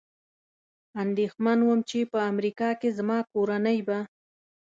اندېښمن ووم، چې په امریکا کې زما کورنۍ به.